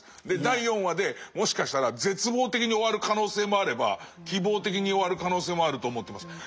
で第４話でもしかしたら絶望的に終わる可能性もあれば希望的に終わる可能性もあると思ってます。